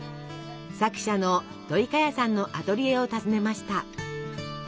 作者のどいかやさんのアトリエを訪ねました。